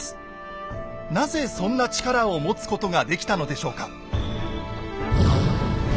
なぜそんな力を持つことができたのでしょうか。